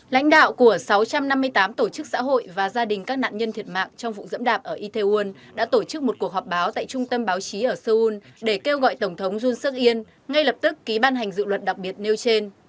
lãnh đạo của sáu trăm năm mươi tám tổ chức xã hội và gia đình các nạn nhân thiệt mạng trong vụ dẫm đạp ở itaewon đã tổ chức một cuộc họp báo tại trung tâm báo chí ở seoul để kêu gọi tổng thống jun seok in ngay lập tức ký ban hành dự luật đặc biệt nêu trên